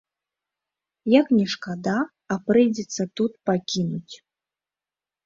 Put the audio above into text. Як ні шкада, а прыйдзецца тут пакінуць.